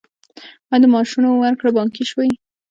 آیا د معاشونو ورکړه بانکي شوې؟